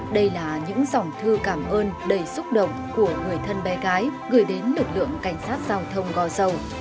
đây là những dòng thư cảm ơn đầy xúc động của người thân bé gái gửi đến lực lượng cảnh sát giao thông gò dầu